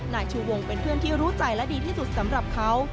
นายชูวงเป็นเพื่อนที่รู้ใจและดีที่สุดสำหรับเขา